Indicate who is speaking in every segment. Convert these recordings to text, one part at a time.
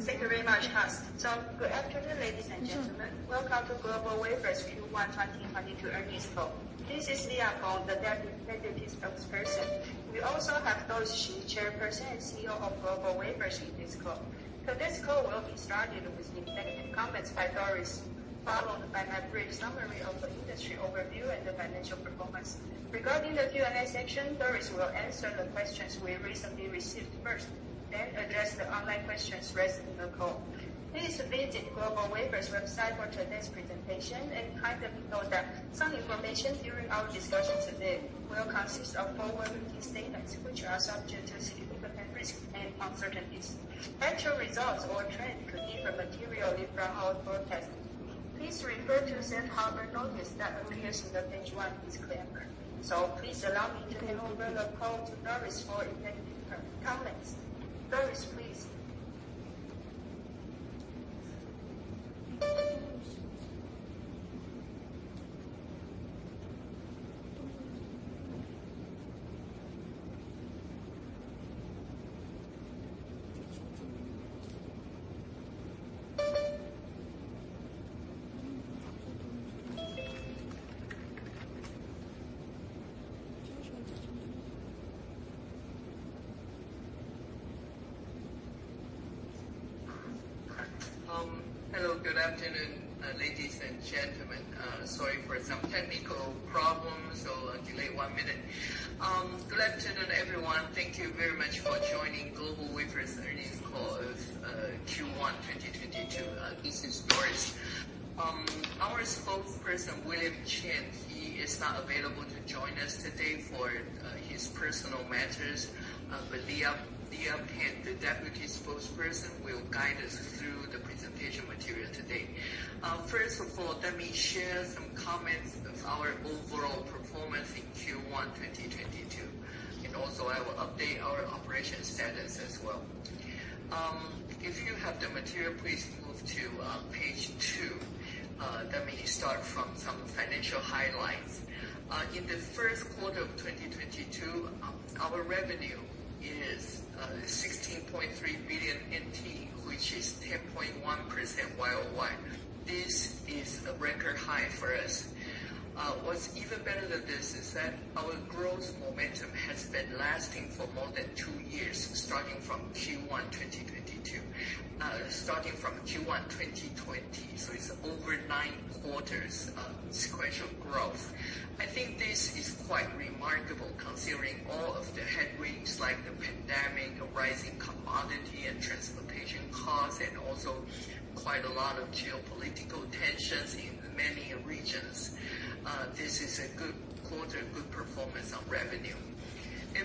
Speaker 1: Thank you very much, Hans. Good afternoon, ladies and gentlemen. Welcome to GlobalWafers Q1 2022 Earnings Call. This is Leah Peng, the Deputy Spokesperson. We also have Doris Hsu, Chairperson and CEO of GlobalWafers in this call. This call will be started with opening comments by Doris, followed by my brief summary of the industry overview and the financial performance. Regarding the Q&A section, Doris will answer the questions we recently received first, then address the online questions raised in the call. Please visit GlobalWafers website for today's presentation, and kindly note that some information during our discussion today will consist of forward-looking statements, which are subject to significant risks and uncertainties. Actual results or trends could differ materially from our forecast. Please refer to the safe harbor notice that appears on the page one disclaimer. Please allow me to hand over the call to Doris for opening comments. Doris, please.
Speaker 2: Hello, good afternoon, ladies and gentlemen. Sorry for some technical problems, so I delay 1 minute. Good afternoon, everyone. Thank you very much for joining GlobalWafers earnings call of Q1 2022. This is Doris. Our spokesperson, William Chan, he is not available to join us today for his personal matters. Leah Peng and the Deputy Spokesperson will guide us through the presentation material today. First of all, let me share some comments of our overall performance in Q1 2022, and also I will update our operation status as well. If you have the material, please move to page 2. Let me start from some financial highlights. In the first quarter of 2022, our revenue is 16.3 billion NT, which is 10.1% YoY. This is a record high for us. What's even better than this is that our growth momentum has been lasting for more than two years, starting from Q1 2022. Starting from Q1 2020, so it's over nine quarters of sequential growth. I think this is quite remarkable considering all of the headwinds like the pandemic, the rising commodity and transportation costs, and also quite a lot of geopolitical tensions in many regions. This is a good quarter, good performance on revenue.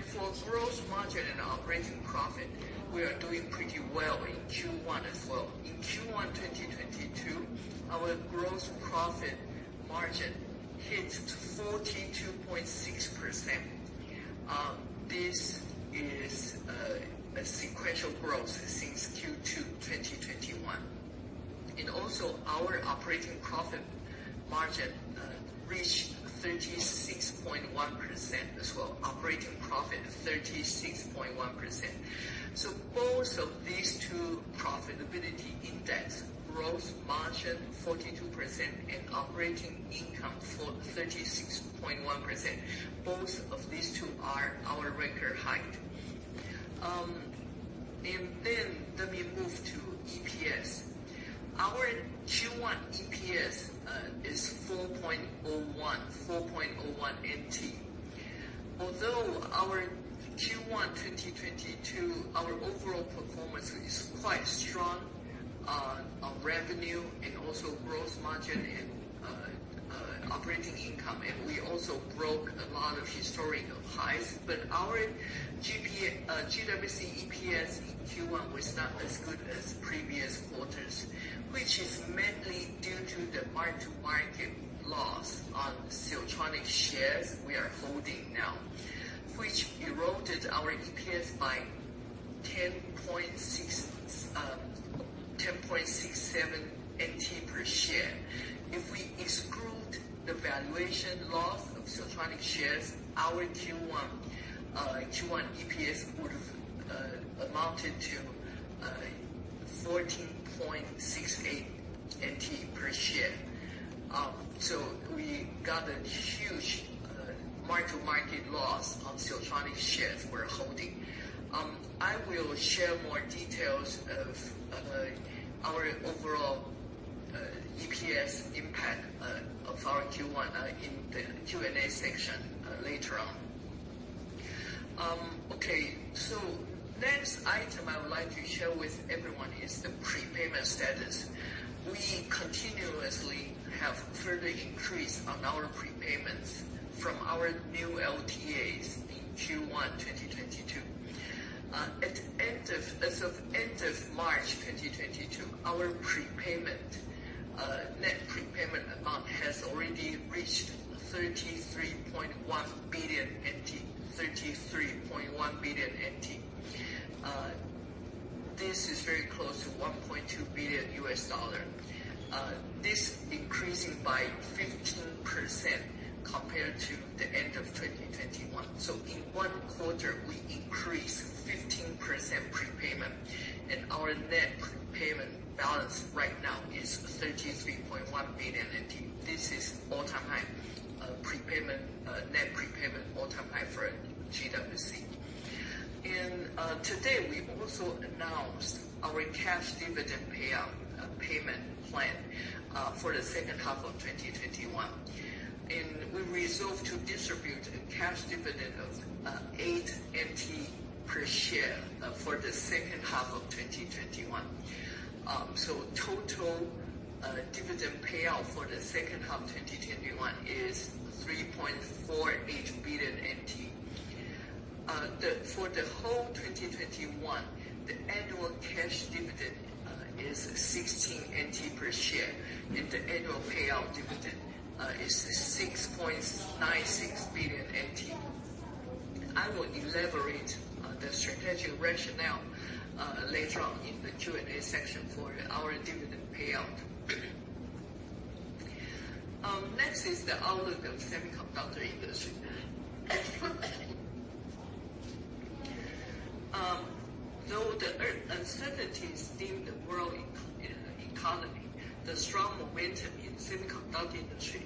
Speaker 2: For gross margin and operating profit, we are doing pretty well in Q1 as well. In Q1 2022, our gross profit margin hit 42.6%. This is a sequential growth since Q2 2021. Our operating profit margin reached 36.1% as well. Both of these two profitability indices, gross margin 42% and operating income of 36.1%, both of these two are our record high. Let me move to EPS. Our Q1 EPS is TWD 4.01. Although our Q1 2022, our overall performance is quite strong on revenue and also gross margin and operating income, and we also broke a lot of historical highs. Our GWC EPS in Q1 was not as good as previous quarters, which is mainly due to the mark-to-market loss on Siltronic shares we are holding now, which eroded our EPS by 10.67 NT per share. If we exclude the valuation loss of Siltronic shares, our Q1 EPS would've amounted to 14.68 NT per share. We got a huge mark-to-market loss on Siltronic shares we're holding. I will share more details of our overall EPS impact of our Q1 in the Q&A section later on. Next item I would like to share with everyone is the prepayment status. We continuously have further increased on our prepayments from our new LTAs in Q1 2022. As of end of March 2022, our prepayment net prepayment amount has already reached TWD 33.1 billion. This is very close to $1.2 billion. In one quarter, we increased 15% prepayment, and our net prepayment balance right now is 33.1 billion. This is all-time high prepayment net prepayment all-time high for GWC. Today, we also announced our cash dividend payout payment plan for the second half of 2021. We resolve to distribute a cash dividend of 8 NT per share for the second half of 2021. Total dividend payout for the second half 2021 is 3.48 billion. For the whole 2021, the annual cash dividend is 16 NT per share, and the annual payout dividend is 6.96 billion NT. I will elaborate on the strategic rationale later on in the Q&A session for our dividend payout. Next is the outlook of semiconductor industry. Though there are uncertainties in the world economy, the strong momentum in semiconductor industry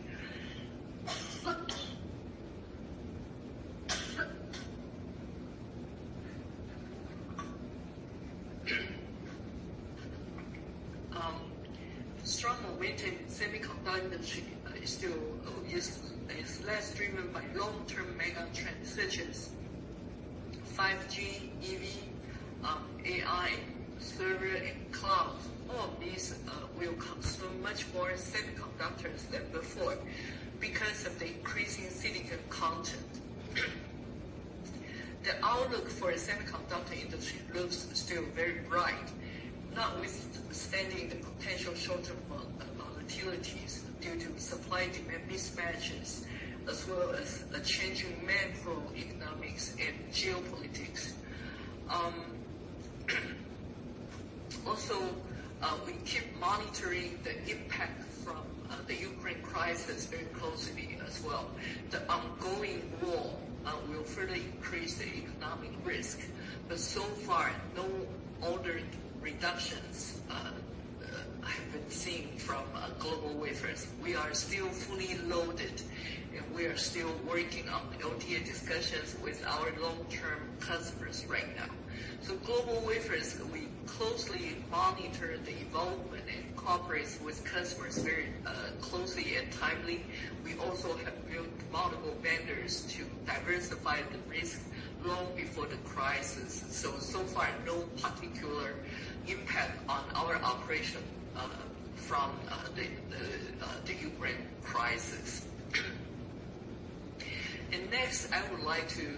Speaker 2: is still obviously less driven by long-term mega trends such as 5G, EV, AI, server and cloud. All of these will consume much more semiconductors than before because of the increasing silicon content. The outlook for the semiconductor industry looks still very bright, notwithstanding the potential short-term volatilities due to supply-demand mismatches, as well as the changing macroeconomics and geopolitics. Also, we keep monitoring the impact from the Ukraine crisis very closely as well. The ongoing war will further increase the economic risk. So far, no order reductions have been seen from GlobalWafers. We are still fully loaded, and we are still working on LTA discussions with our long-term customers right now. GlobalWafers, we closely monitor the development and cooperate with customers very closely and timely. We also have built multiple vendors to diversify the risk long before the crisis. So far, no particular impact on our operation from the Ukraine crisis. Next, I would like to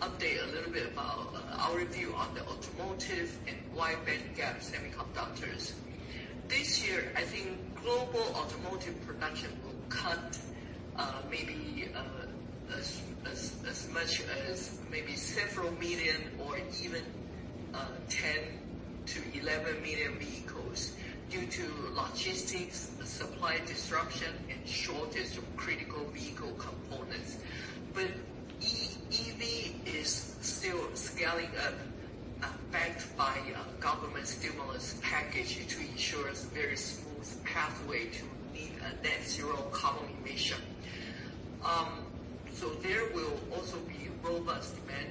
Speaker 2: update a little bit about our view on the automotive and wide bandgap semiconductors. This year, I think global automotive production will cut maybe as much as several million or even 10 million-11 million vehicles due to logistics, supply disruption and shortage of critical vehicle components. EV is still scaling up, backed by a government stimulus package to ensure a very smooth pathway to net-zero carbon emission. There will also be robust demand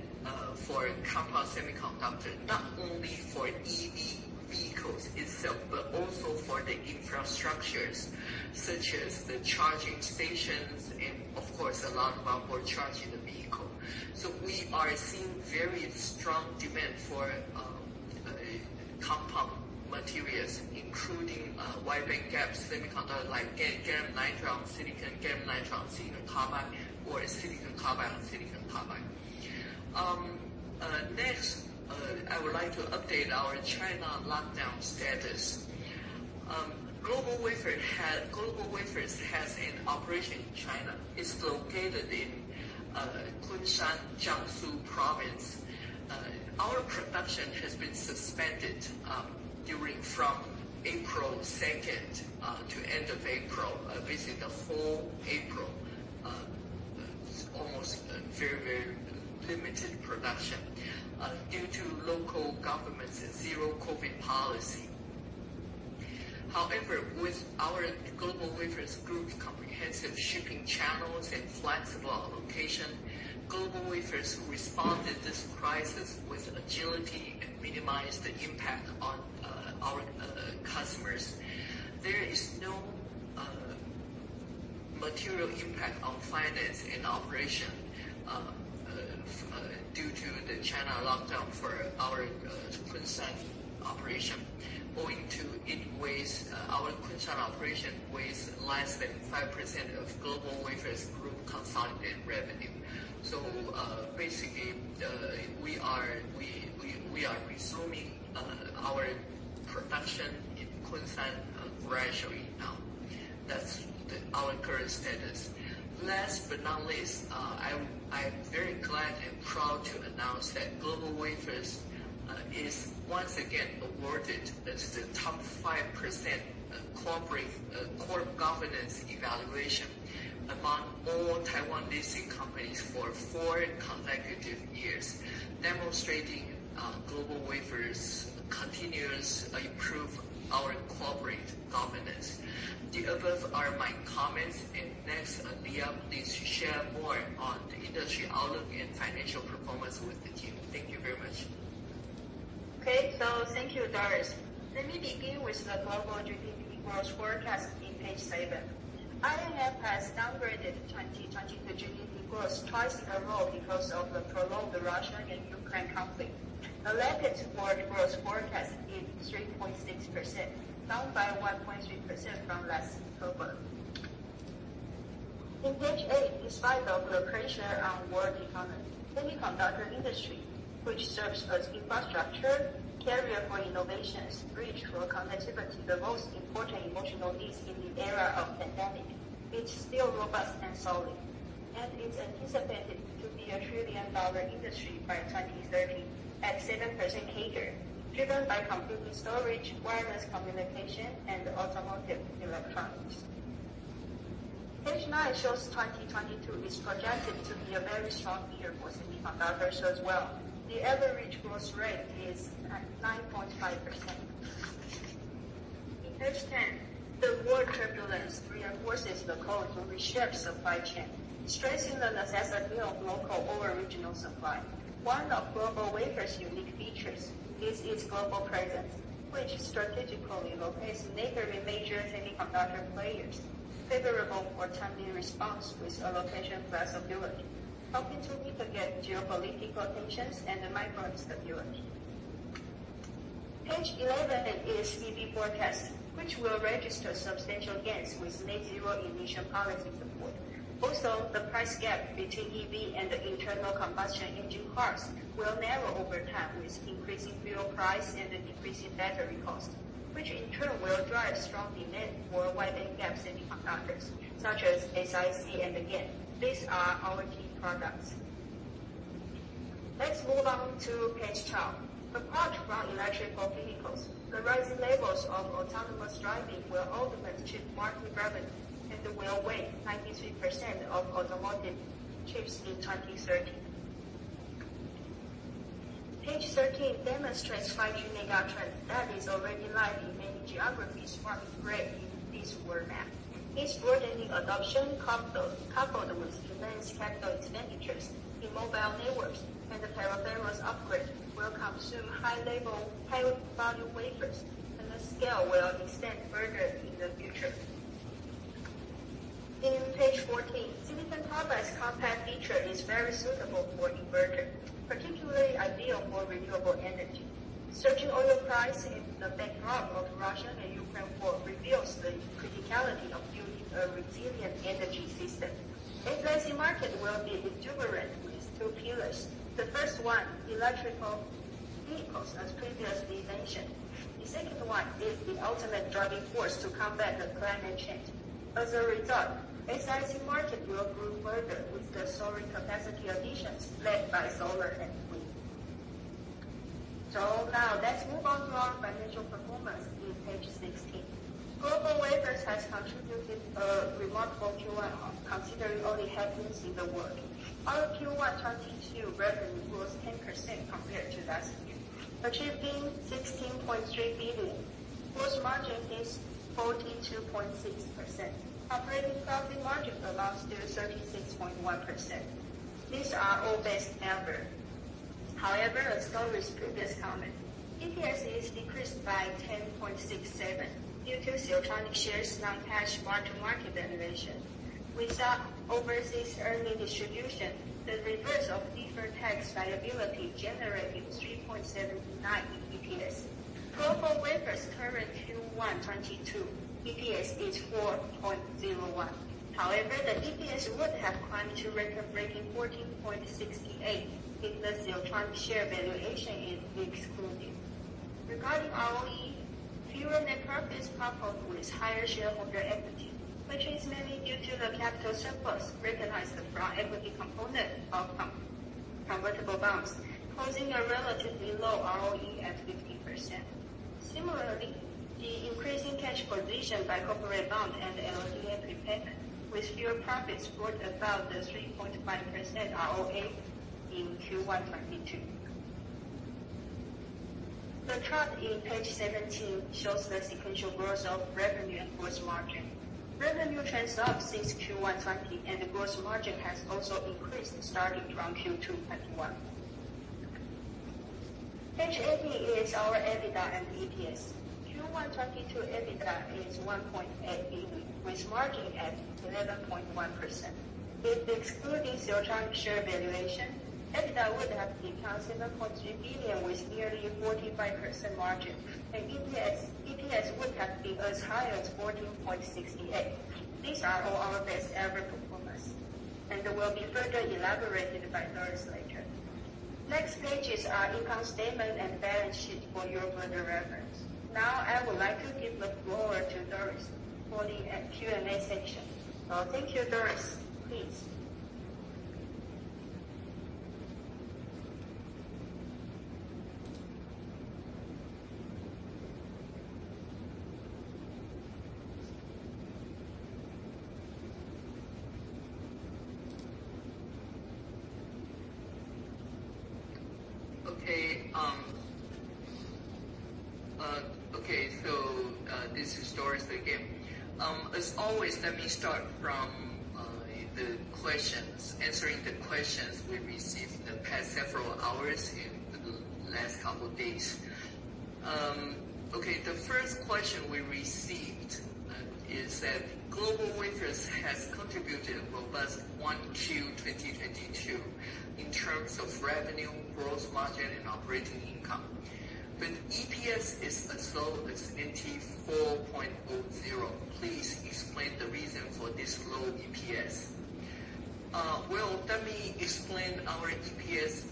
Speaker 2: for compound semiconductors, not only for EV vehicles itself, but also for the infrastructures, such as the charging stations and of course, a lot of onboard charge in the vehicle. We are seeing very strong demand for compound materials, including wide bandgap semiconductors like Gallium Nitride, Gallium Nitride on Silicon, silicon carbide or silicon carbide on silicon carbide. Next, I would like to update our China lockdown status. GlobalWafers has an operation in China. It's located in Kunshan, Jiangsu Province. Our production has been suspended from April second to end of April. Basically the whole April, almost very limited production due to local government's zero COVID policy. However, with our GlobalWafers group comprehensive shipping channels and flexible allocation, GlobalWafers responded to this crisis with agility and minimized the impact on our customers. There is no material impact on financial and operational due to the China lockdown for our Kunshan operation, owing to our Kunshan operation weighs less than 5% of GlobalWafers group consolidated revenue. Basically, we are resuming our production in Kunshan gradually now. That's our current status. Last but not least, I announce that GlobalWafers is once again awarded the top 5% corporate governance evaluation among all Taiwan-listed companies for four consecutive years, demonstrating GlobalWafers continuous improvement in our corporate governance. The above are my comments, and next, Leah, please share more on the industry outlook and financial performance with the team. Thank you very much.
Speaker 1: Okay. Thank you, Doris. Let me begin with the global GDP growth forecast in page seven. IMF has downgraded 2022 GDP growth twice in a row because of the prolonged Russia and Ukraine conflict. The latest world growth forecast is 3.6%, down by 1.3% from last October. In page eight, in spite of the pressure on world economy, semiconductor industry, which serves as infrastructure carrier for innovations, bridge for connectivity, the most important emotional needs in the era of pandemic, is still robust and solid. It's anticipated to be a trillion dollar industry by 2030 at 7% CAGR, driven by computing storage, wireless communication and automotive electronics. Page nine shows 2022 is projected to be a very strong year for semiconductors as well. The average growth rate is at 9.5%. On page 10, the world turbulence reinforces the call to reshape supply chain, stressing the necessity of local or regional supply. One of GlobalWafers' unique features is its global presence, which strategically locates neighboring major semiconductor players, favorable for timely response with a location flexibility, helping to mitigate geopolitical tensions and the macro instability. Page 11 is EV forecast, which will register substantial gains with net zero emission policy support. Also, the price gap between EV and the internal combustion engine cars will narrow over time with increasing fuel price and the decreasing battery cost, which in turn will drive strong demand for wide bandgap semiconductors such as SiC and GaN. These are our key products. Let's move on to page 12. Apart from electric vehicles, the rising levels of autonomous driving will augment chip market revenue, and will weigh 93% of automotive chips in 2030. Page 13 demonstrates 5G megatrend that is already live in many geographies marked red in this world map. Its broadening adoption coupled with immense capital expenditures in mobile networks and the peripherals upgrade will consume high-value wafers, and the scale will extend further in the future. In page 14, silicon carbide's compact feature is very suitable for inverter, particularly ideal for renewable energy. Surging oil price in the backdrop of Russia and Ukraine war reveals the criticality of building a resilient energy system. SiC market will be exuberant with two pillars. The first one, electric vehicles, as previously mentioned. The second one is the ultimate driving force to combat the climate change. As a result, SiC market will grow further with the soaring capacity additions led by solar and wind. Now let's move on to our financial performance in page 16. GlobalWafers has contributed a remarkable Q1, considering all the happenings in the world. Our Q1 2022 revenue grows 10% compared to last year, achieving 16.3 billion. Gross margin is 42.6%. Operating profit margin amounts to 36.1%. These are all best ever. However, as Doris' previous comment, EPS is decreased by 10.67 due to Siltronic shares non-cash mark-to-market valuation. Without overseas earning distribution, the reverse of deferred tax liability generated 3.79 in EPS. GlobalWafers current Q1 2022 EPS is 4.01. However, the EPS would have climbed to record-breaking 14.68 if the Siltronic share valuation is excluded. Regarding ROE, fewer net profit coupled with higher shareholder equity, which is mainly due to the capital surplus recognized from equity component of convertible bonds, causing a relatively low ROE at 15%. The increasing cash position by corporate bond and LTA prepay with fewer profits brought about the 3.5% ROA in Q1 2022. The chart in page 17 shows the sequential growth of revenue and gross margin. Revenue trends up since Q1 2020, and gross margin has also increased starting from Q2 2021. Page 18 is our EBITDA and EPS. Q1 2022 EBITDA is TWD 1.8 billion, with margin at 11.1%. If excluding Siltronic share valuation, EBITDA would have been 27.3 billion with nearly 45% margin, and EPS would have been as high as 14.68. These are all our best-ever-performance, and they will be further elaborated by Doris later. Next page. This is our income statement and balance sheet for your further reference. Now, I would like to give the floor to Doris for the Q&A section. Thank you. Doris, please.
Speaker 2: This is Doris again. As always, let me start from the questions. Answering the questions we received the past several hours and the last couple days. Okay, the first question we received is that GlobalWafers has contributed a robust 1Q 2022 in terms of revenue, gross margin and operating income. EPS is as low as 4.00. Please explain the reason for this low EPS. Well, let me explain our EPS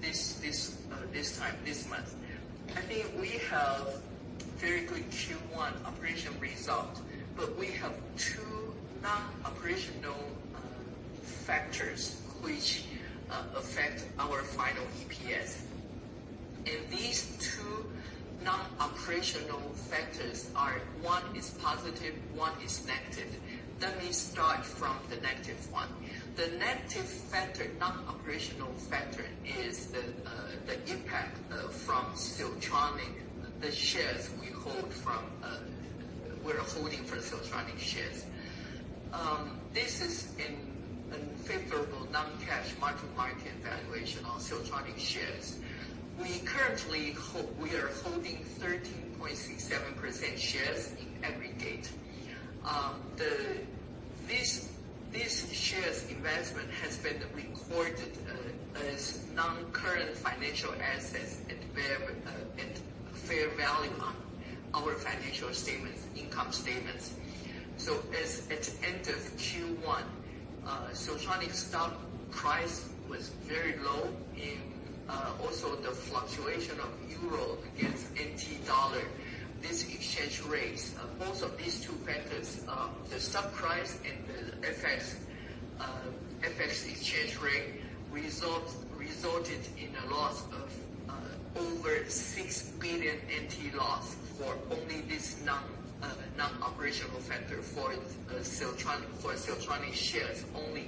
Speaker 2: this time, this month. I think we have very good Q1 operational results, but we have two non-operational factors which affect our final EPS. These two non-operational factors are one is positive, one is negative. Let me start from the negative one. The negative factor, non-operational factor is the impact from Siltronic, the shares we're holding for Siltronic shares. This is an unfavorable non-cash mark-to-market valuation on Siltronic shares. We are holding 13.67% shares in aggregate. This shares investment has been recorded as non-current financial assets at fair value on our financial statements, income statements. At end of Q1, Siltronic stock price was very low and also the fluctuation of euro against NT dollar. This exchange rates, both of these two factors, the stock price and the FX exchange rate, resulted in a loss of over TWD 6 billion for only this non-operational factor for Siltronic. For Siltronic shares only,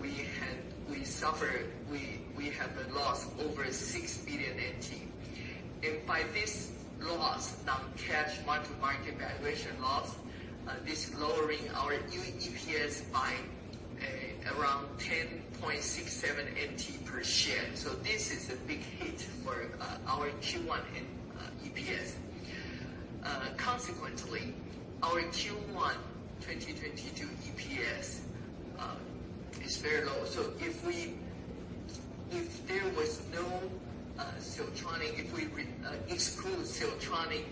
Speaker 2: we suffered. We have a loss over 6 billion NT. By this loss, non-cash mark-to-market valuation loss, this lowering our new EPS by around 10.67 NT per share. This is a big hit for our Q1 and EPS. Consequently, our Q1 2022 EPS is very low. If there was no Siltronic, if we exclude Siltronic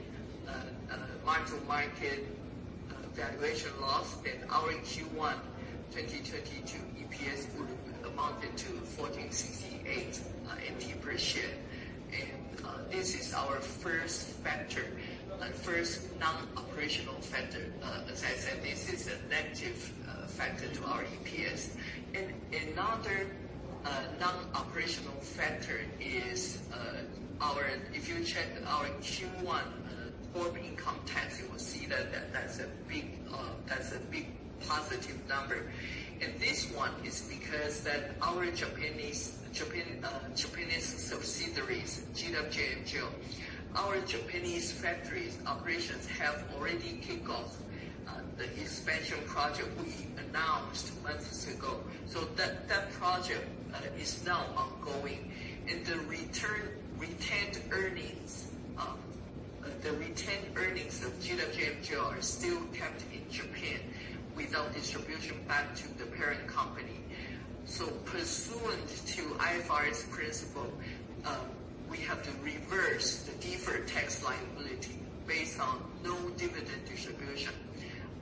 Speaker 2: mark-to-market valuation loss, then our Q1 2022 EPS would amounted to 14.68 NT per share. This is our first factor, first non-operational factor. As I said, this is a negative factor to our EPS. Another non-operational factor is our. If you check our Q1 corporate income tax, you will see that that's a big positive number. This one is because that our Japanese subsidiaries, GlobalWafers Japan. Our Japanese factory's operations have already kicked off the expansion project we announced months ago. That project is now ongoing. The retained earnings of GlobalWafers Japan are still kept in Japan without distribution back to the parent company. Pursuant to IFRS principle, we have to reverse the deferred tax liability based on no dividend distribution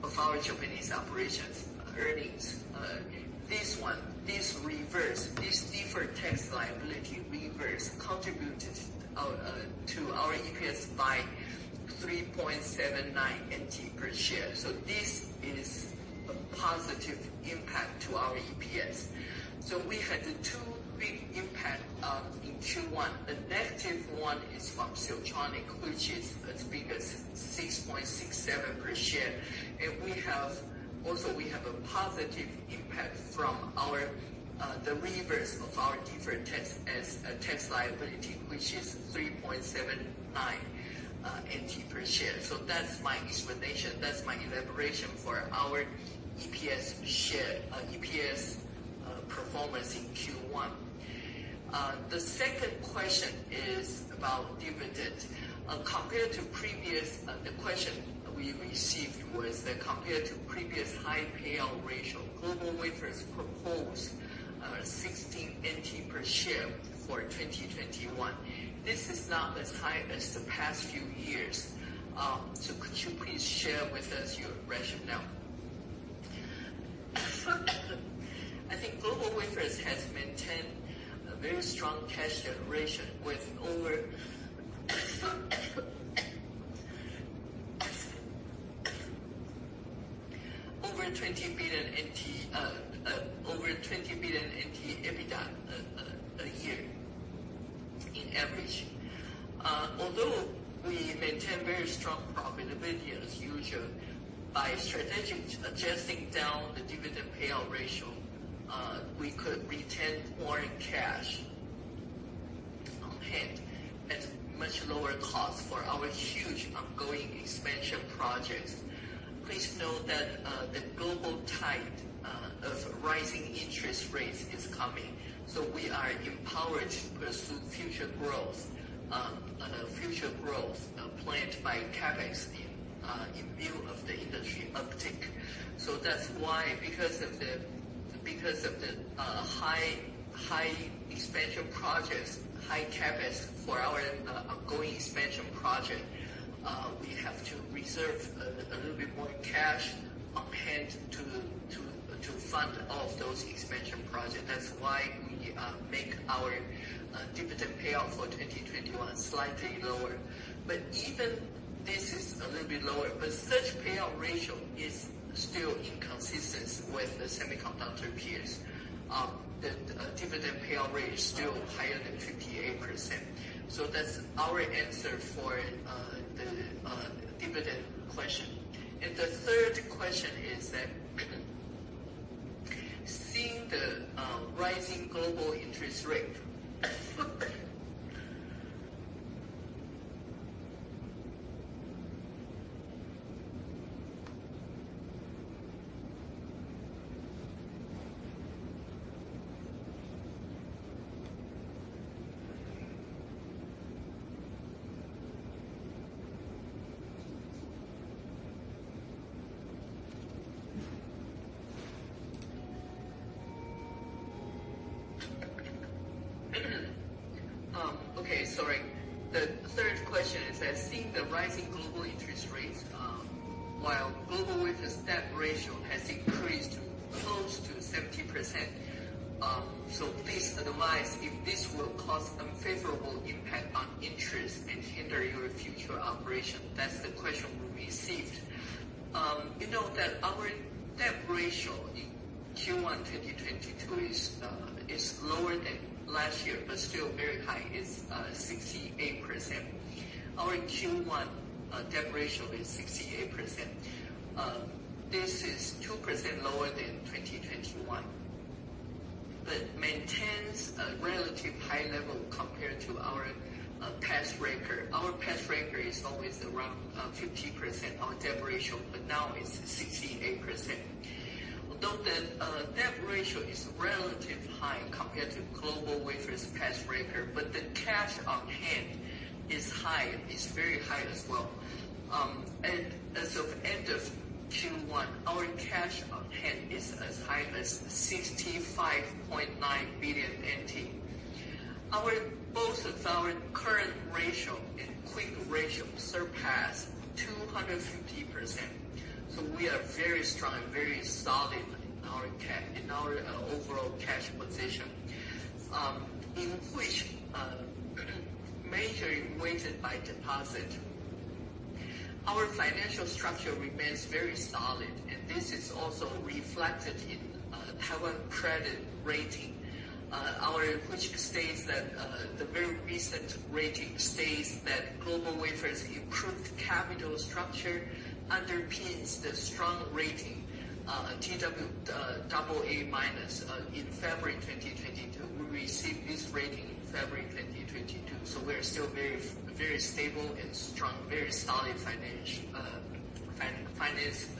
Speaker 2: of our Japanese operations earnings. This deferred tax liability reverse contributed to our EPS by 3.79 NT per share. This is a positive impact to our EPS. We had two big impact in Q1. The negative one is from Siltronic, which is as big as 6.67 per share. We have a positive impact from the reversal of our deferred tax as a tax liability, which is 3.79 per share. That's my explanation, that's my elaboration for our EPS performance in Q1. The second question is about dividend. Compared to previous, the question we received was that compared to previous high payout ratio, GlobalWafers proposed 16 NT per share for 2021. This is not as high as the past few years. Could you please share with us your rationale? I think GlobalWafers has maintained a very strong cash generation with over 20 billion NT EBITDA a year on average. Although we maintain very strong profitability as usual, by strategic adjusting down the dividend payout ratio, we could retain more in cash on hand at much lower cost for our huge ongoing expansion projects. Please note that the global tide of rising interest rates is coming, so we are empowered to pursue future growth planned by CapEx in view of the industry uptick. That's why, because of the high expansion projects, high CapEx for our ongoing expansion project, we have to reserve a little bit more cash on hand to fund all of those expansion projects. That's why we make our dividend payout for 2021 slightly lower. Even this is a little bit lower, but such payout ratio is still in consistency with the semiconductor peers. The dividend payout ratio is still higher than 58%. That's our answer for the dividend question. The third question is that seeing the rising global interest rates, while GlobalWafers' debt ratio has increased close to 70%. Please advise if this will cause unfavorable impact on interest and hinder your future operation. That's the question we received. You know that our debt ratio in Q1 2022 is lower than last year, but still very high. It's 68%. Our Q1 debt ratio is 68%. This is 2% lower than 2021, but maintains a relatively high level compared to our past record. Our past record is always around 50% on debt ratio, but now it's 68%. Although the debt ratio is relatively high compared to GlobalWafers' past record, but the cash on hand is very high as well. As of end of Q1, our cash on hand is as high as 65.9 billion NT. Both of our current ratio and quick ratio surpass 250%. We are very strong, very solid in our overall cash position, in which measuring weighted by deposit. Our financial structure remains very solid, and this is also reflected in Taiwan Ratings, which states that the very recent rating states that GlobalWafers improved capital structure underpins the strong rating, twAA- in February 2022. We received this rating in February 2022, so we are still very stable and strong, very solid financial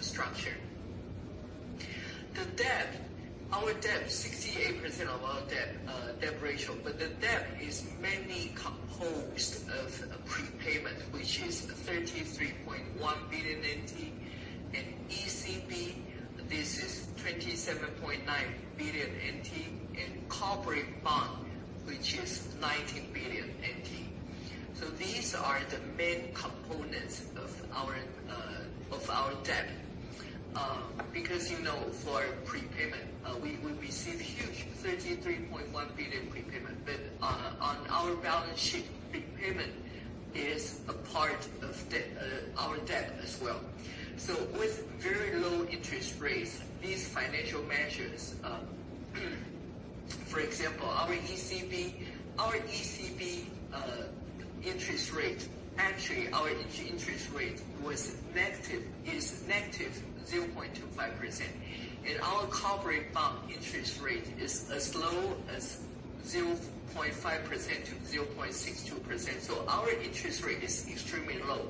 Speaker 2: structure. Our debt ratio is 68%, but the debt is mainly composed of a prepayment, which is TWD 33.1 billion. In ECB, this is 27.9 billion NT. In corporate bond, which is 19 billion NT. These are the main components of our debt. Because, you know, for prepayment, we received huge 33.1 billion prepayment, but on our balance sheet, prepayment is a part of our debt as well. With very low interest rates, these financial measures, for example, our ECB interest rate, actually our interest rate was negative, is -0.25%. Our corporate bond interest rate is as low as 0.5%-0.62%. Our interest rate is extremely low.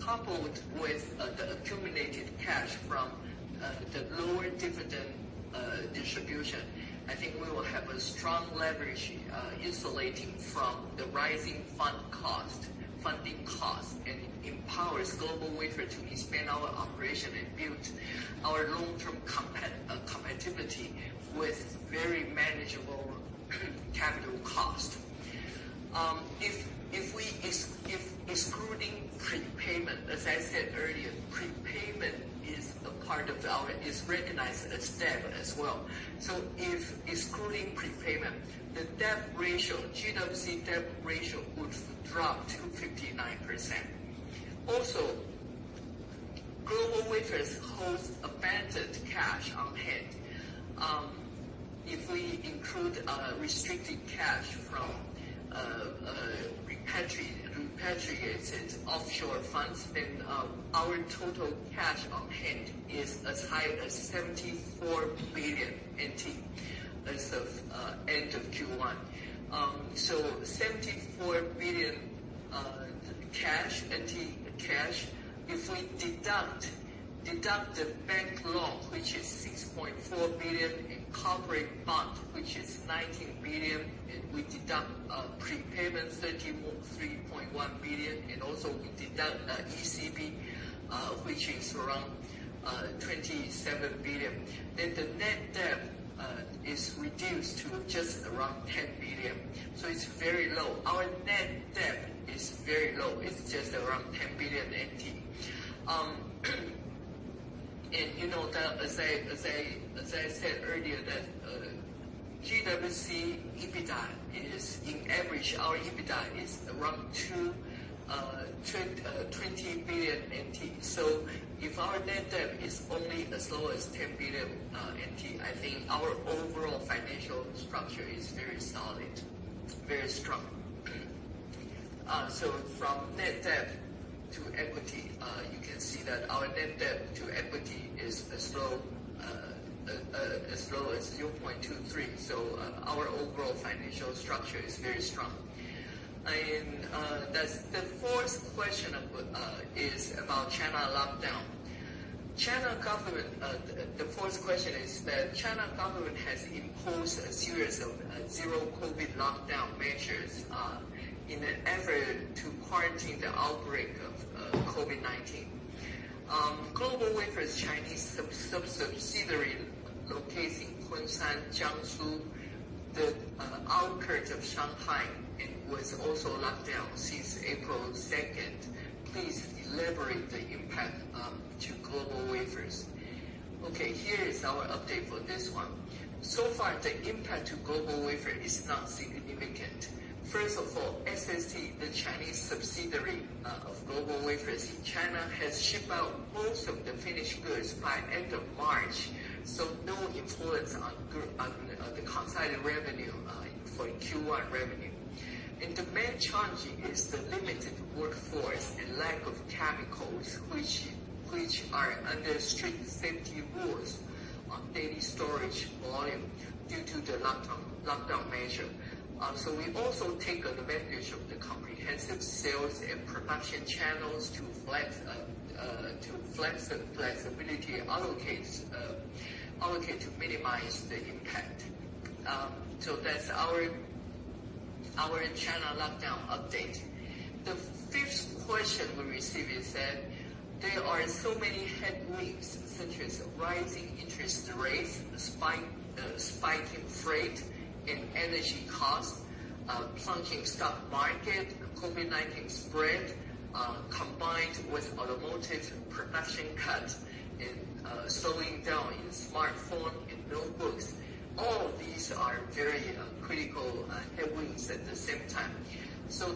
Speaker 2: Coupled with the accumulated cash from the lower dividend distribution, I think we will have a strong leverage insulating from the rising funding cost, and empowers GlobalWafers to expand our operation and build our long-term competitiveness with very manageable capital cost. If excluding prepayment, as I said earlier, prepayment is recognized as debt as well. If excluding prepayment, the debt ratio, GWC debt ratio would drop to 59%. GlobalWafers holds abundant cash on hand. If we include restricted cash from repatriated offshore funds, then our total cash on hand is as high as 74 billion NT as of end of Q1. 74 billion cash, TWD cash. If we deduct the bank loan, which is 6.4 billion, and corporate bond, which is 19 billion, and we deduct prepayment 3.1 billion, and also we deduct ECB, which is around 27 billion, then the net debt is reduced to just around 10 billion. It's very low. Our net debt is very low. It's just around 10 billion NT. You know, as I said earlier that GWC EBITDA is on average, our EBITDA is around 20 billion. If our net debt is only as low as TWD 10 billion, I think our overall financial structure is very solid, very strong. From net debt to equity, you can see that our net debt to equity is as low as 0.23. Our overall financial structure is very strong. The fourth question is about China lockdown. The Chinese government has imposed a series of zero-COVID lockdown measures in an effort to quarantine the outbreak of COVID-19. GlobalWafers Chinese subsidiary located in Kunshan, Jiangsu, the outskirts of Shanghai, it was also locked down since April 2nd. Please elaborate the impact to GlobalWafers. Okay, here is our update for this one. So far, the impact to GlobalWafers is not significant. First of all, SST, the Chinese subsidiary of GlobalWafers in China, has shipped out most of the finished goods by end of March, so no influence on the consolidated revenue for Q1 revenue. The main challenge is the limited workforce and lack of chemicals, which are under strict safety rules on daily storage volume due to the lockdown measure. We also take advantage of the comprehensive sales and production channels to flex the flexibility, allocate to minimize the impact. That's our China lockdown update. The fifth question we received is that there are so many headwinds such as rising interest rates, spiking freight and energy costs, plunging stock market, COVID-19 spread, combined with automotive production cuts and slowing down in smartphone and notebooks. All of these are very critical headwinds at the same time.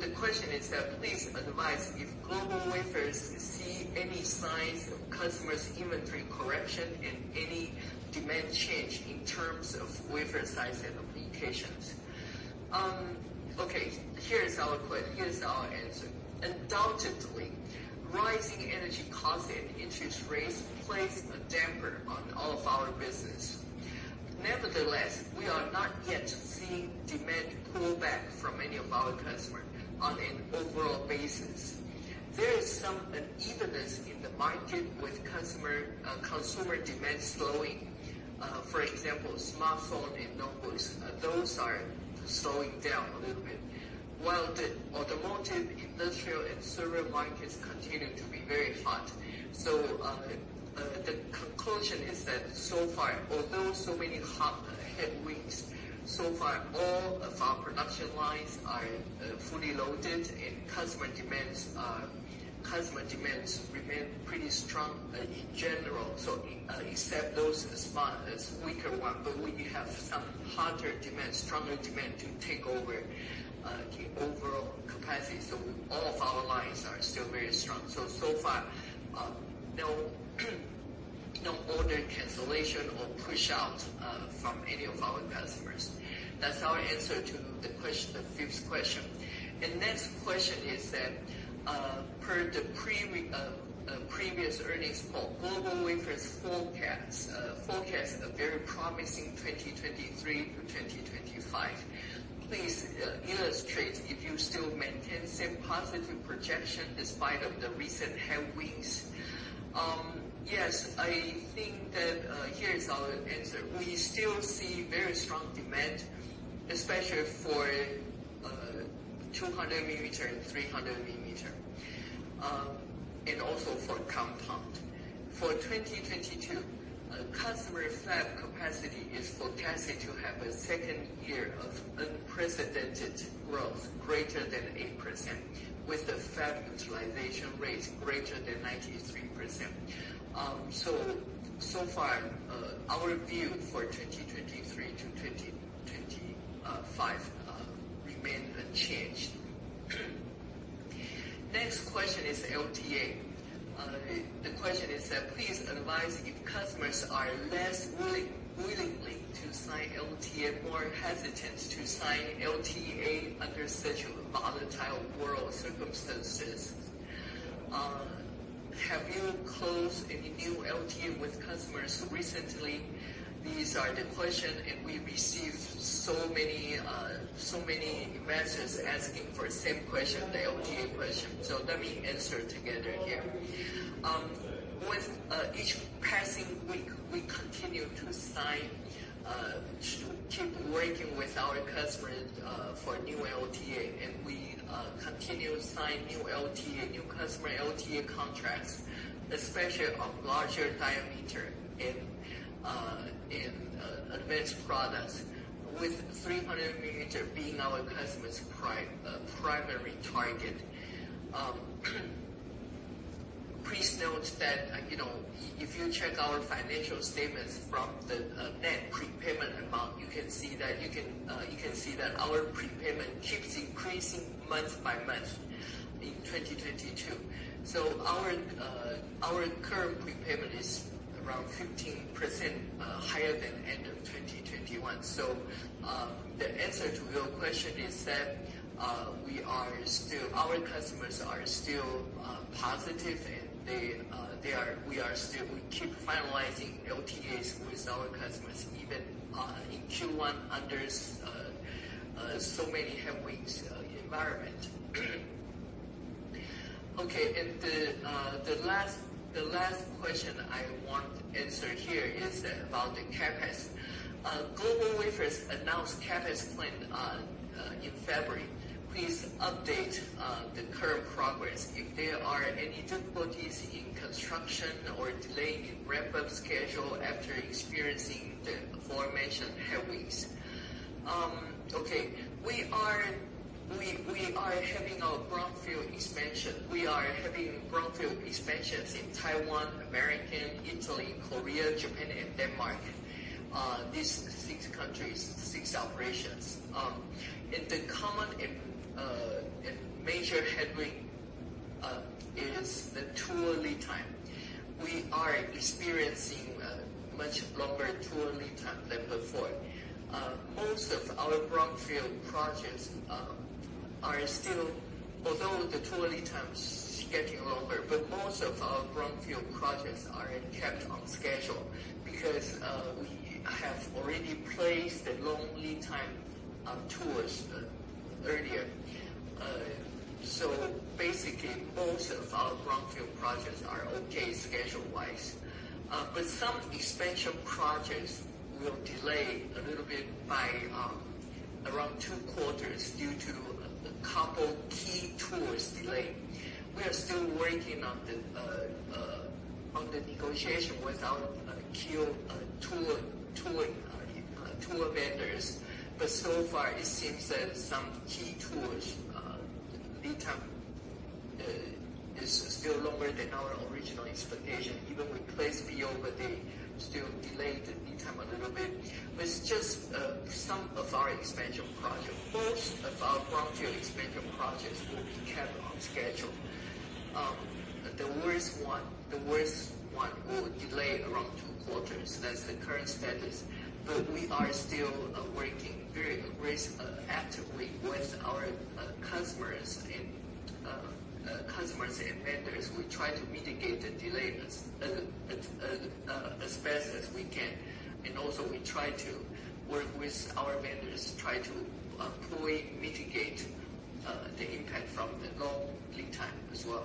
Speaker 2: The question is that, please advise if GlobalWafers see any signs of customers' inventory correction and any demand change in terms of wafer size and applications. Here is our answer. Undoubtedly, rising energy costs and interest rates place a damper on all of our business. Nevertheless, we are not yet seeing demand pullback from any of our customers on an overall basis. There is some unevenness in the market with customer consumer demand slowing. For example, smartphone and notebooks, those are slowing down a little bit, while the automotive, industrial and server markets continue to be very hot. The conclusion is that so far, although so many headwinds, so far all of our production lines are fully loaded and customer demands remain pretty strong in general. Except those weaker one, but we have some hotter demand, stronger demand to take over the overall capacity. All of our lines are still very strong. So far, no order cancellation or push out from any of our customers. That's our answer to the fifth question. The next question is that, per the previous earnings call, GlobalWafers forecast a very promising 2023 through 2025. Please, illustrate if you still maintain same positive projection despite of the recent headwinds. Yes, I think that, here is our answer. We still see very strong demand, especially for 200 millimeter and 300 millimeter, and also for compound. For 2022, customer fab capacity is forecasted to have a second year of unprecedented growth greater than 8%, with the fab utilization rate greater than 93%. So far, our view for 2023-2025 remain unchanged. Next question is LTA. The question is that: Please advise if customers are less willing to sign LTA, more hesitant to sign LTA under such volatile world circumstances. Have you closed any new LTA with customers recently? These are the question, and we received so many messages asking for same question, the LTA question. Let me answer together here. With each passing week, we continue to keep working with our customer for new LTA. We continue sign new LTA, new customer LTA contracts, especially of larger diameter in advanced products, with 300 millimeter being our customer's primary target. Please note that, you know, if you check our financial statements from the net prepayment amount, you can see that our prepayment keeps increasing month by month in 2022. Our current prepayment is around 15% higher than end of 2021. The answer to your question is that our customers are still positive and we keep finalizing LTAs with our customers, even in Q1 under so many headwinds, environment. Okay. The last question I want to answer here is about the CapEx. GlobalWafers announced CapEx plan in February. Please update the current progress, if there are any difficulties in construction or delay in ramp-up schedule after experiencing the aforementioned headwinds. Okay. We are having a brownfield expansion. We are having brownfield expansions in Taiwan, America, Italy, Korea, Japan and Denmark. These six countries, six operations. The common and major headwind is the tool lead time. We are experiencing a much longer tool lead time than before. Although the tool lead time is getting longer, most of our brownfield projects are kept on schedule, because we have already placed the long lead time tools earlier. Basically, most of our brownfield projects are okay schedule-wise. Some expansion projects will delay a little bit by around 2 quarters due to a couple key tools delay. We are still working on the negotiation with our key tool vendors. So far it seems that some key tools lead time is still longer than our original expectation. Even with place B over D, still delayed the lead time a little bit. It's just some of our expansion project. Most of our brownfield expansion projects will be kept on schedule. The worst one will delay around 2 quarters. That's the current status. We are still working very actively with our customers and vendors. We try to mitigate the delay as best as we can. We also try to work with our vendors, try to fully mitigate the impact from the long lead time as well.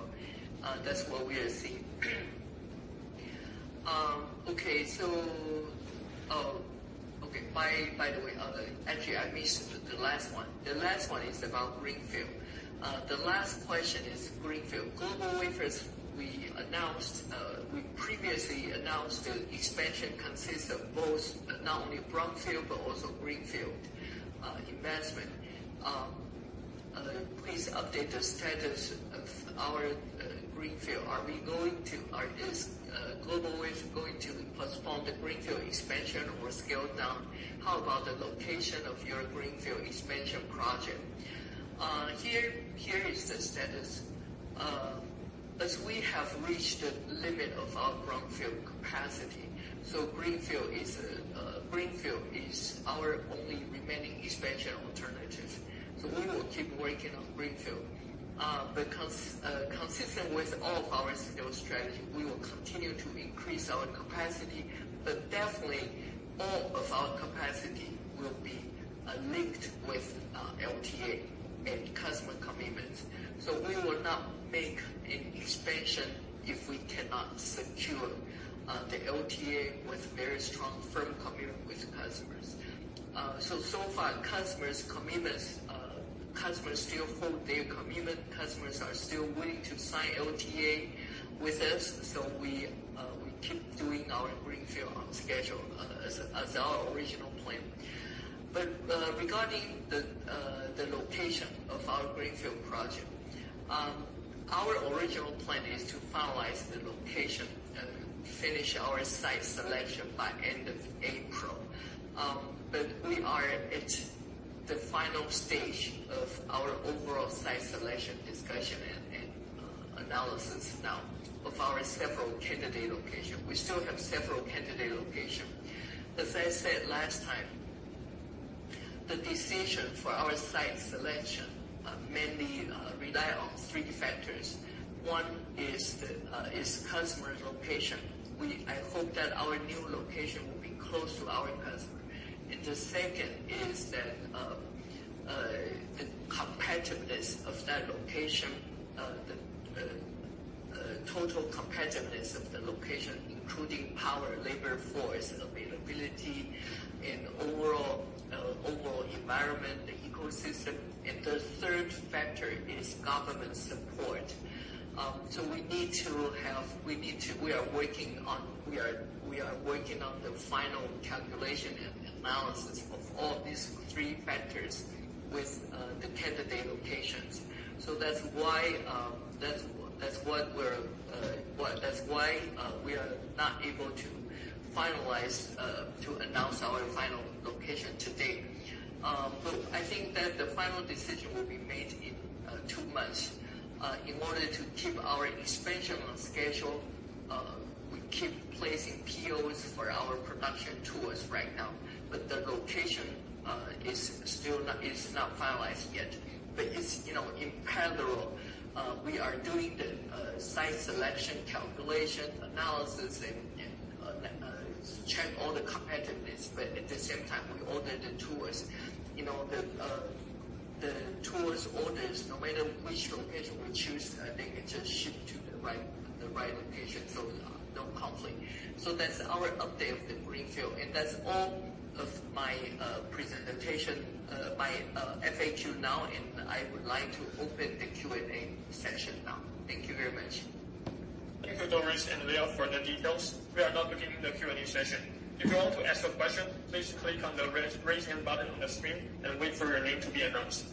Speaker 2: That's what we are seeing. By the way, actually I missed the last one. The last one is about greenfield. The last question is greenfield. GlobalWafers, we announced, we previously announced the expansion consists of both, not only brownfield, but also greenfield, investment. Please update the status of our greenfield. Is GlobalWafers going to postpone the greenfield expansion or scale down? How about the location of your greenfield expansion project? Here is the status. We have reached the limit of our brownfield capacity. Greenfield is our only remaining expansion alternative. We will keep working on greenfield. Consistent with all of our scale strategy, we will continue to increase our capacity, but definitely all of our capacity will be linked with LTA and customers. We will not make an expansion if we cannot secure the LTA with very strong firm commitment with customers. So far, customers' commitments. Customers still hold their commitment. Customers are still willing to sign LTA with us, so we keep doing our greenfield on schedule as our original plan. Regarding the location of our greenfield project, our original plan is to finalize the location and finish our site selection by end of April. We are at the final stage of our overall site selection discussion and analysis now of our several candidate location. We still have several candidate location. As I said last time, the decision for our site selection mainly rely on three factors. One is customer location. I hope that our new location will be close to our customer. The second is that the total competitiveness of the location, including power, labor force availability and overall environment, the ecosystem. The third factor is government support. We are working on the final calculation and analysis of all these three factors with the candidate locations. That's why we are not able to finalize to announce our final location to date. I think that the final decision will be made in two months. In order to keep our expansion on schedule, we keep placing POs for our production tools right now. The location is not finalized yet. It's, you know, in parallel, we are doing the site selection, calculation, analysis and check all the competitiveness, but at the same time, we order the tools. You know, the tools orders, no matter which location we choose, they can just ship to the right location, so no conflict. That's our update of the greenfield, and that's all of my presentation, my FAQ now, and I would like to open the Q&A session now. Thank you very much.
Speaker 3: Thank you, Doris and Leah, for the details. We are now beginning the Q&A session. If you want to ask a question, please click on the raise hand button on the screen and wait for your name to be announced.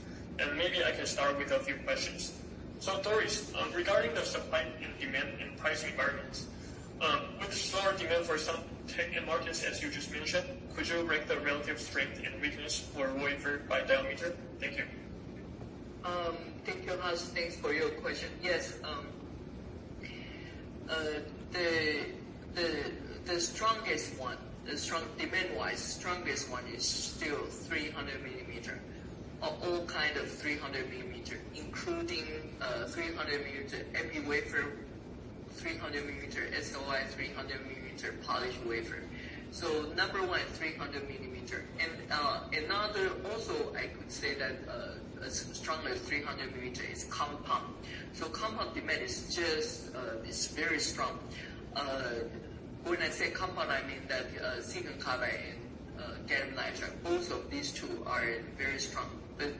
Speaker 3: Maybe I can start with a few questions. Doris, regarding the supply and demand and price environments, which is lower demand for some tech end markets, as you just mentioned, could you rank the relative strength and weakness for wafer by diameter? Thank you.
Speaker 2: Thank you, Hans. Thanks for your question. Yes, demand-wise, the strongest one is still 300 millimeter. Of all kind of 300 millimeter, including 300 millimeter Epi wafer, 300 millimeter SOI, 300 millimeter polished wafer. Number one is 300 millimeter. Another also I could say that, as strong as 300 millimeter is compound. Compound demand is very strong. When I say compound, I mean that, silicon carbide and gallium nitride, both of these two are very strong. But,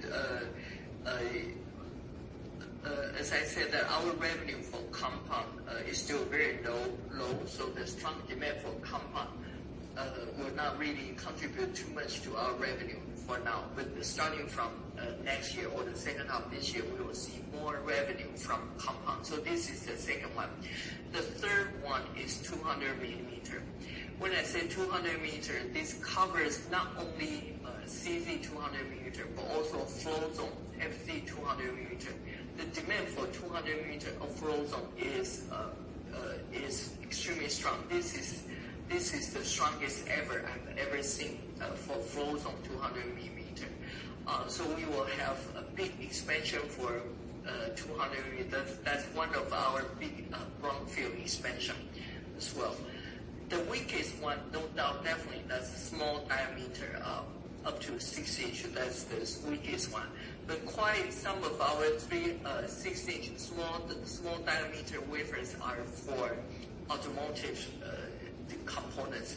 Speaker 2: as I said that our revenue for compound is still very low, so the strong demand for compound will not really contribute too much to our revenue for now. Starting from next year or the second half of this year, we will see more revenue from compound. This is the second one. The third one is 200 millimeter. When I say 200 millimeter, this covers not only SiC 200 millimeter, but also Float Zone FZ 200 millimeter. The demand for 200 millimeter of Float Zone is extremely strong. This is the strongest ever I've ever seen for Float Zone 200 millimeter. We will have a big expansion for 200 millimeter. That is one of our big brownfield expansions as well. The weakest one, no doubt, definitely that is small diameter up to 6 inch. That is the weakest one. Quite some of our 3- and 6-inch small-diameter wafers are for automotive components.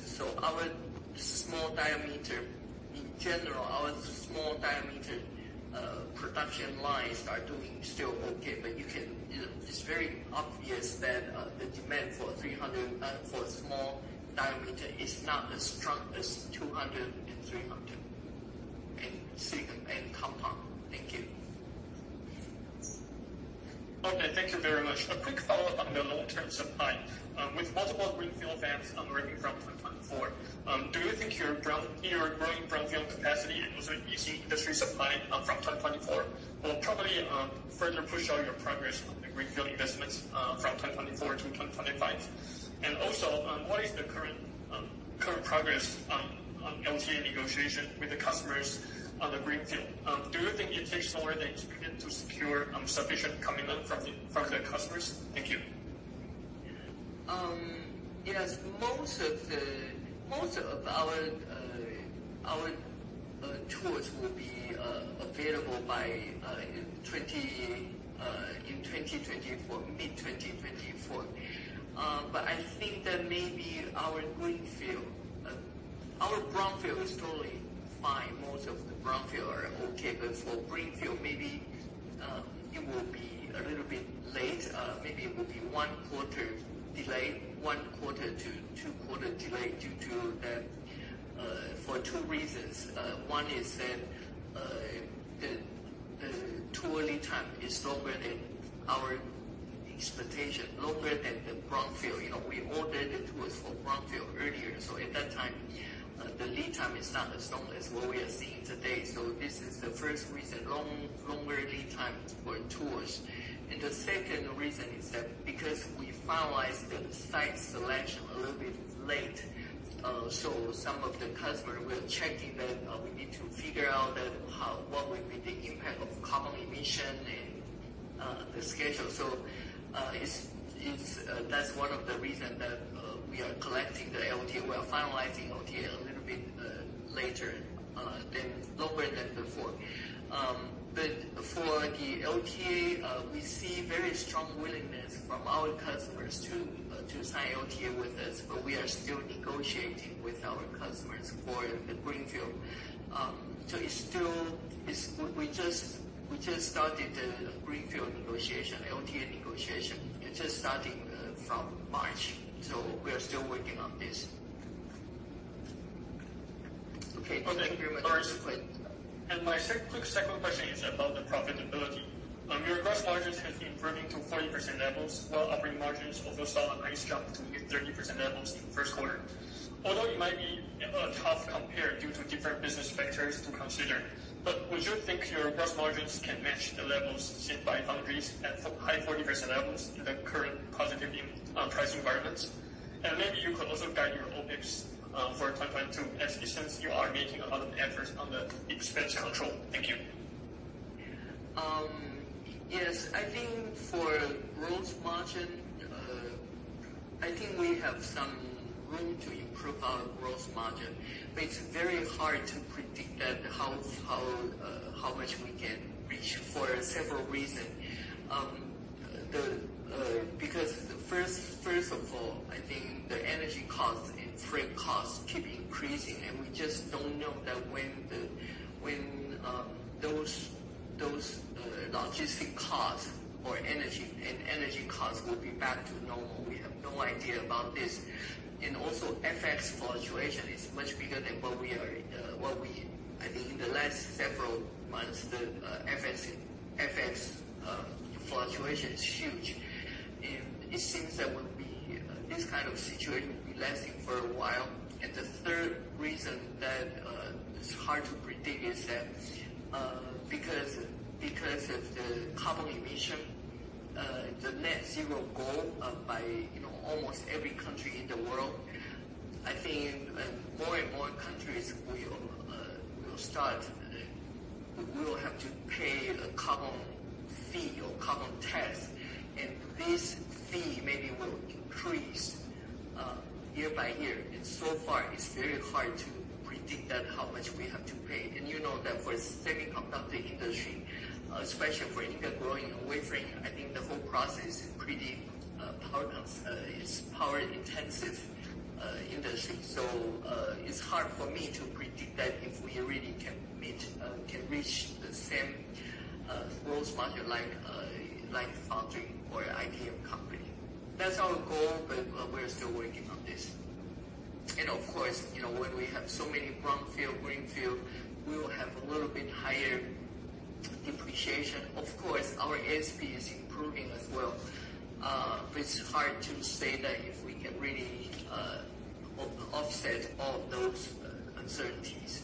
Speaker 2: In general, our small diameter production lines are doing still okay, but you can, you know, it's very obvious that the demand for small diameter is not as strong as 200 and 300 in silicon and compound. Thank you.
Speaker 3: Okay, thank you very much. A quick follow-up on the long-term supply. With multiple greenfield ramps arriving from 2024, do you think your growing brownfield capacity and also increasing industry supply from 2024 will probably further push out your progress on the greenfield investments from 2024-2025? Also, what is the current progress on LTA negotiation with the customers on the greenfield? Do you think it takes longer than expected to secure sufficient commitment from the customers? Thank you.
Speaker 2: Yes, most of our tools will be available by in 2024, mid-2024. I think that maybe our greenfield, our brownfield is totally fine. Most of the brownfield are okay. For greenfield, maybe it will be a little bit late. Maybe it will be 1-quarter delay, 1-quarter to 2-quarter delay due to two reasons. One is that the tool lead time is longer than our expectation, longer than the brownfield. You know, we ordered the tools for brownfield earlier. At that time, the lead time is not as long as what we are seeing today. This is the first reason, longer lead times for tools. The second reason is that because we finalized the site selection a little bit late, so some of the customers were checking that we need to figure out what will be the impact of carbon emission and the schedule. It's that's one of the reasons that we are concluding the LTA. We are finalizing LTA a little bit later, longer than before. But for the LTA, we see very strong willingness from our customers to sign LTA with us, but we are still negotiating with our customers for the greenfield. It's still. We just started the greenfield negotiation, LTA negotiation. It's just starting from March. We are still working on this. Okay. Thank you very much.
Speaker 3: Okay. Doris, please. My quick second question is about the profitability. Your gross margins have been improving to 40% levels, while operating margins also saw a nice jump to mid-30% levels in the first quarter. Although it might be tough to compare due to different business factors to consider, but would you think your gross margins can match the levels set by foundries at high 40% levels in the current positive price environment? Maybe you could also guide your OpEx for 2022 as it seems you are making a lot of efforts on the expense control. Thank you.
Speaker 2: Yes. I think for gross margin, I think we have some room to improve our gross margin, but it's very hard to predict that how much we can reach for several reason. Because first of all, I think the energy costs and freight costs keep increasing, and we just don't know when those logistic costs or energy costs will be back to normal. We have no idea about this. Also FX fluctuation is much bigger than what we are. I think in the last several months, the FX fluctuation is huge. It seems that this kind of situation will be lasting for a while. The third reason that it's hard to predict is that because of the carbon emission, the net zero goal by, you know, almost every country in the world, I think, more and more countries will start, we will have to pay a carbon fee or carbon tax. This fee maybe will increase year by year. So far it's very hard to predict that how much we have to pay. You know that for semiconductor industry, especially for ingot growing wafer, I think the whole process is pretty, it's power-intensive industry. It's hard for me to predict that if we really can reach the same gross margin like foundry or IDM company. That's our goal, but we are still working on this. Of course, you know, when we have so many brownfield, greenfield, we will have a little bit higher depreciation. Of course, our ASP is improving as well. It's hard to say that if we can really offset all those uncertainties.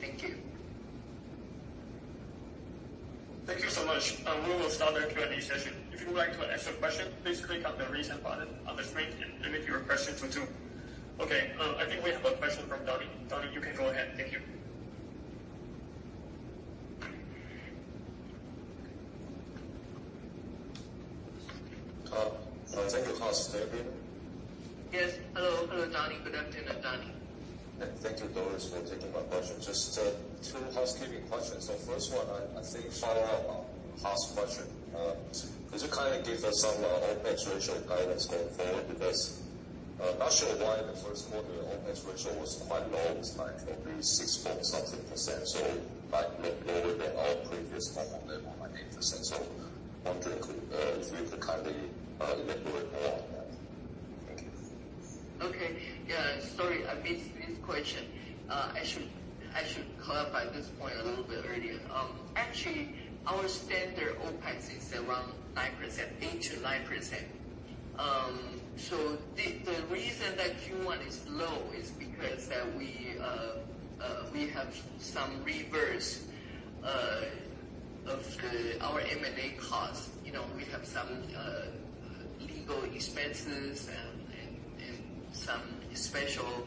Speaker 2: Thank you.
Speaker 3: Thank you so much. We will start the Q&A session. If you would like to ask a question, please click on the Raise Hand button on the screen and limit your question to two. Okay. I think we have a question from Donny. Donny, you can go ahead. Thank you.
Speaker 4: Thank you. Hello, is there anyone?
Speaker 2: Yes. Hello. Hello, Donny. Good afternoon, Donny.
Speaker 4: Thank you, Doris, for taking my question. Just two housekeeping questions. The first one I think follows up on Hans's question. Could you kind of give us some OpEx ratio guidance going forward? Because I'm not sure why the first quarter OpEx ratio was quite low. It's like only 6.something%. Like lower than our previous normal level, like 8%. Wondering if you could kindly elaborate more on that. Thank you.
Speaker 2: Okay. Yeah. Sorry, I missed this question. I should clarify this point a little bit earlier. Actually, our standard OpEx is around 9%, 8%-9%. The reason that Q1 is low is because we have some reversal of our M&A costs. You know, we have some legal expenses and some special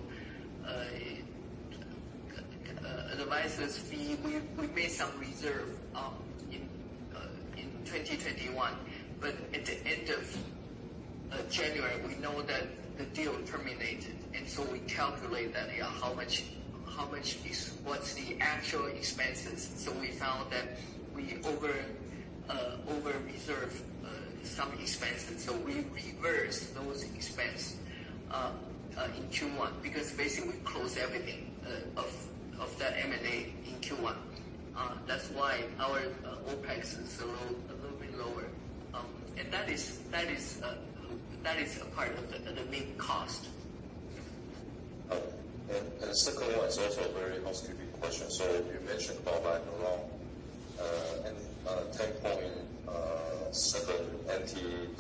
Speaker 2: fees. We made some reserve in 2021. At the end of January, we know that the deal terminated, and so we calculate that, yeah, what's the actual expenses. We found that we over-reserved some expenses. We reversed those expenses in Q1. Because basically we closed everything of that M&A in Q1. That's why our OpEx is a little bit lower. That is a part of the main cost.
Speaker 4: Secondly, it's also a very housekeeping question. You mentioned about like around TWD 10.7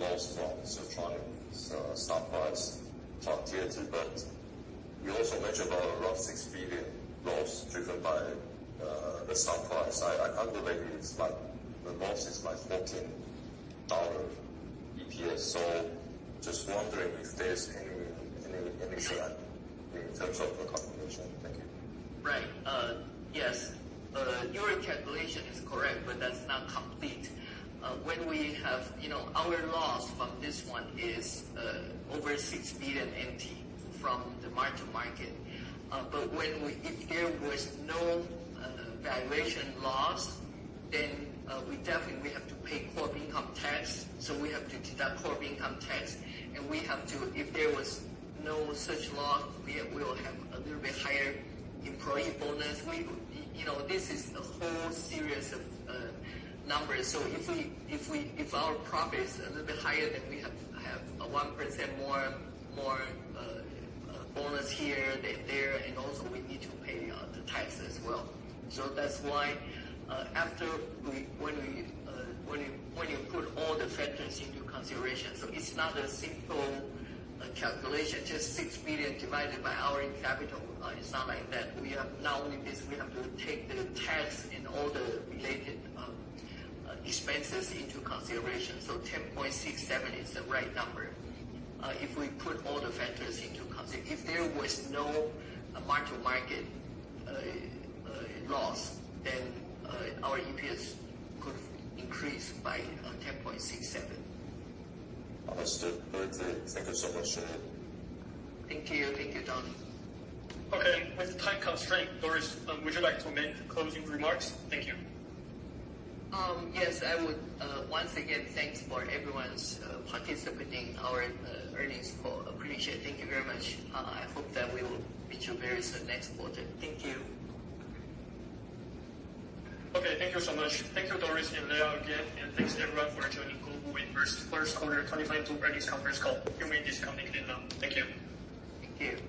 Speaker 4: loss from Siltronic, so stock price from tier two. You also mentioned about around TWD 6 billion loss driven by the stock price. I calculate it's like the loss is like 14 dollar EPS. Just wondering if there's any slide in terms of the calculation. Thank you.
Speaker 2: Right. Yes. Your calculation is correct, but that's not complete. You know, our loss from this one is over 6 billion from the mark-to-market. But if there was no valuation loss, then we definitely have to pay corporate income tax. We have to deduct corporate income tax. If there was no such loss, we'll have a little bit higher employee bonus. You know, this is a whole series of numbers. If our profit is a little bit higher, then we have to have a 1% more bonus here than there, and also we need to pay the tax as well. That's why, when you put all the factors into consideration. It's not a simple calculation, just 6 billion divided by our capital. It's not like that. We have not only this, we have to take the tax and all the related expenses into consideration. 10.67 is the right number. If there was no mark-to-market loss, then our EPS could increase by 10.67.
Speaker 4: Understood. Thank you so much.
Speaker 2: Thank you. Thank you, Donny.
Speaker 3: Okay. With the time constraint, Doris, would you like to make closing remarks? Thank you.
Speaker 2: Yes, I would. Once again, thanks for everyone's participating in our earnings call. Appreciate. Thank you very much. I hope that we will meet you very soon next quarter. Thank you.
Speaker 3: Okay. Thank you so much. Thank you, Doris and Leah, again, and thanks everyone for joining GlobalWafers first quarter 2022 earnings conference call. You may disconnect now. Thank you.
Speaker 2: Thank you.